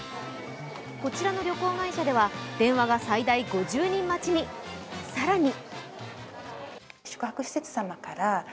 こちらの旅行会社では電話が最大５０人待ちに。